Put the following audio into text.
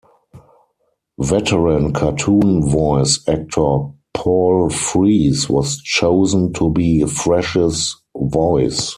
Veteran cartoon voice actor Paul Frees was chosen to be Fresh's voice.